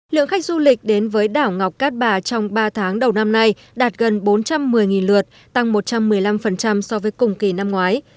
lượng khách du lịch đến với đảo ngọc cát bà trong ba tháng đầu năm nay đạt gần bốn trăm một mươi lượt tăng một trăm một mươi năm so với cùng kỳ năm ngoái